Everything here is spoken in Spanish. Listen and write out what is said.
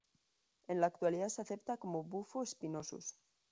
En la actualidad se acepta como "Bufo spinosus".